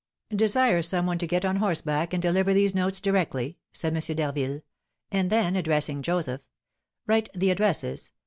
"Desire some one to get on horseback, and deliver these notes directly," said M. d'Harville; and then, addressing Joseph, "Write the addresses: M.